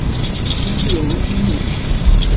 监制王心慰。